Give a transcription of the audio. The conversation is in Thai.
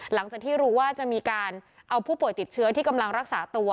หลังจากที่รู้ว่าจะมีการเอาผู้ป่วยติดเชื้อที่กำลังรักษาตัว